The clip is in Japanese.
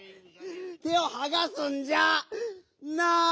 てをはなすんじゃない！